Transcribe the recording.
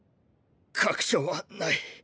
確証はない。